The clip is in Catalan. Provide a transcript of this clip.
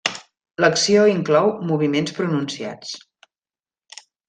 L'acció inclou moviments pronunciats.